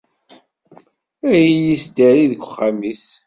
A iyi-isdari deg uxxam-is.